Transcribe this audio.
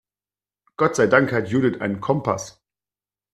Gott sei Dank hat Judith einen Kompass.